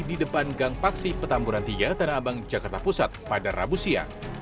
di depan gang paksi petamburan tiga tanah abang jakarta pusat pada rabu siang